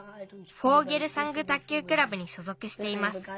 フォーゲルサング卓球クラブにしょぞくしています。